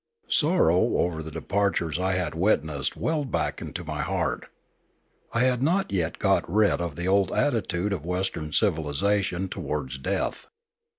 Sorrow over the departures I had witnessed welled back into my heart; I had not yet got rid of the old attitude of Western civilisation towards death.